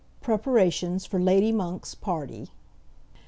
Preparations for Lady Monk's Party.